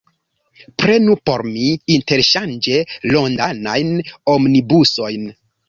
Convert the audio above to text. Prenu por mi, interŝanĝe, Londonajn Omnibusojn.